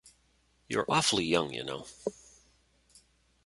You're awfully young, you know.